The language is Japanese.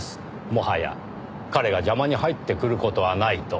もはや彼が邪魔に入ってくる事はないと。